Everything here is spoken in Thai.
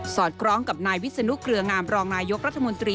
อดคล้องกับนายวิศนุเกลืองามรองนายกรัฐมนตรี